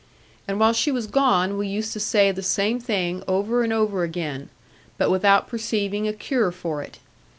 And while she was gone, we used to say the same thing over and over again; but without perceiving a cure for it.